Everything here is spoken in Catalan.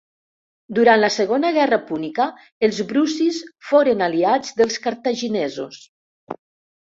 Durant la Segona Guerra Púnica els brucis foren aliats dels cartaginesos.